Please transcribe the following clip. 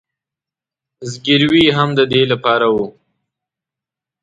زګیروي یې هم د دې له پاره و.